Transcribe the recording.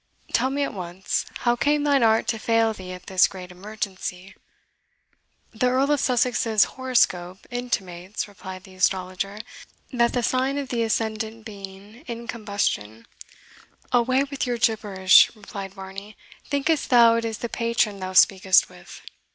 Tell me at once, how came thine art to fail thee at this great emergency?" "The Earl of Sussex's horoscope intimates," replied the astrologer, "that the sign of the ascendant being in combustion " "Away with your gibberish," replied Varney; "thinkest thou it is the patron thou speakest with?"